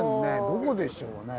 どこでしょうね。